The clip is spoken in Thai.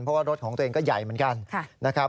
เพราะว่ารถของตัวเองก็ใหญ่เหมือนกันนะครับ